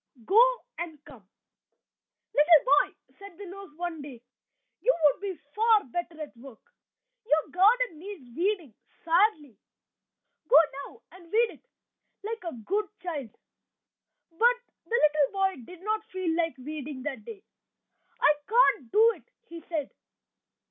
"GO" AND "COME" "Little boy," said the nurse one day, "you would be far better at work. Your garden needs weeding sadly; go now and weed it, like a good child!" But the little boy did not feel like weeding that day. "I can't do it," he said.